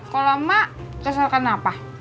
kalau mak kesel kenapa